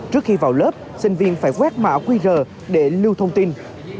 trước khi vào lớp sinh viên phải quét mã qr để lưu thông tin